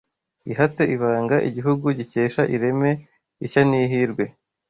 ihatse ibanga igihugu gikesha ireme, ishya n’ihirwe